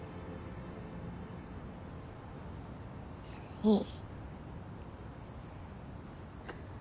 いい。